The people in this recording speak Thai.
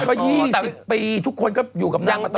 ก็๒๐ปีทุกคนก็อยู่กับนางมาตลอด